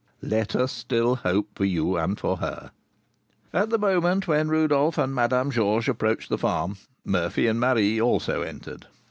"Let us still hope for you and for her." At the moment when Rodolph and Madame Georges approached the farm, Murphy and Marie also entered.